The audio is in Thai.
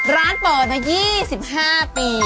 ร้านเปิดมา๒๕ปี